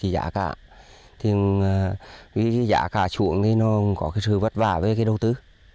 giá cả trụng có sự vất vả với đầu tư